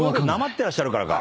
てらっしゃるからか。